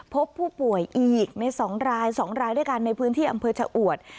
พบผู้ป่วยอีกใน๒ราย๒รายด้วยกันในพื้นที่อำเภอชะอวด